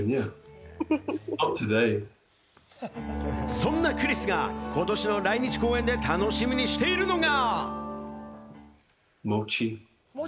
そんなクリスが今年の来日公演で楽しみにしているのが。